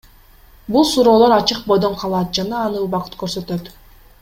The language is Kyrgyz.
Бул суроолор ачык бойдон калат жана аны убакыт көрсөтөт.